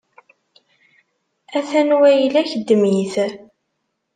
A-t-an wayla-k, ddem-it!